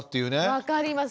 分かります。